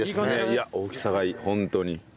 いや大きさがいいホントに。